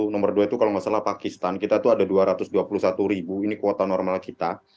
nomor dua itu kalau nggak salah pakistan kita itu ada dua ratus dua puluh satu ribu ini kuota normal kita